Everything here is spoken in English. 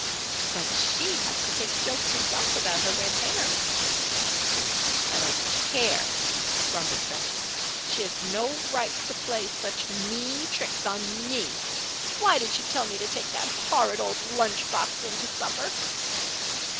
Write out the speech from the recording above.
"But she has to take jokes herself about her red hair." "I don't care!" grumbled Bess. "She has no right to play such mean tricks on me. Why did she tell me to take that horrid old lunch box in to supper?"